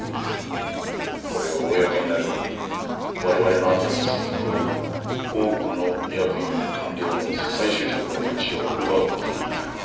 「これが公になれば我々のあとに続く多くの役員や官僚の再就職の道を奪う事になる」